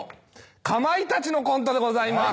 かまいたちのコントでございます。